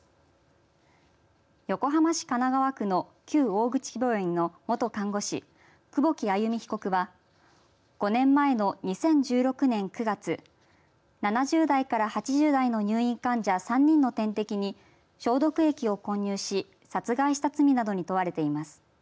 横浜市神奈川区の旧大口病院の元看護師、久保木愛弓被告は５年前の２０１６年９月７０代から８０代の入院患者３人の点滴に消毒液を混入し殺害した罪などに問われています。